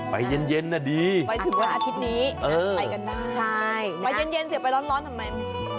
ไปเย็นน่ะดีไปถึงวันอาทิตย์นี้ไปกันได้ใช่ไปเย็นเสียไปร้อนทำไม